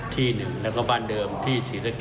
ที่หนึ่งแล้วก็บ้านเดิมที่ศรีสะเก